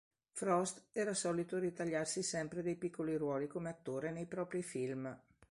Frost era solito ritagliarsi sempre dei piccoli ruoli come attore nei propri film.